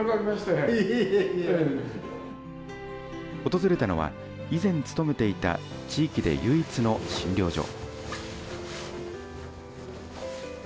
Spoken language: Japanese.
訪れたのは、以前、勤めていた地域で唯一の診療所。